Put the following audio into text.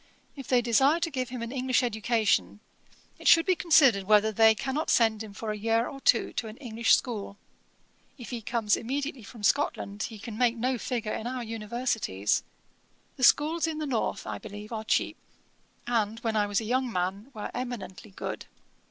If they desire to give him an English education, it should be considered whether they cannot send him for a year or two to an English school. If he comes immediately from Scotland, he can make no figure in our Universities. The schools in the north, I believe, are cheap; and, when I was a young man, were eminently good.